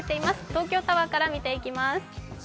東京タワーから見ていきます。